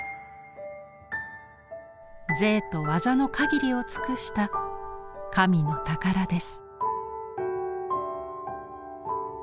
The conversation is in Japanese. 贅と技の限りを尽くした神の宝です。